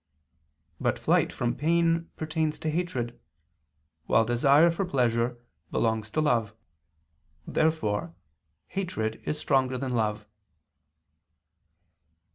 But flight from pain pertains to hatred; while desire for pleasure belongs to love. Therefore hatred is stronger than love.